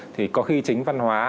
thì có khi chính văn hóa